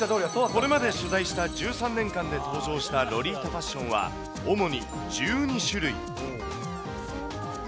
これまで取材した１３年間で登場したロリータファッションは主に１２種類。